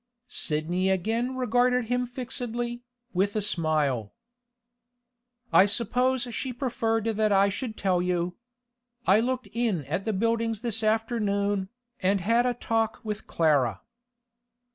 Sidney again regarded him fixedly, with a smile. 'I suppose she preferred that I should tell you. I looked in at the Buildings this afternoon, and had a talk with Clara.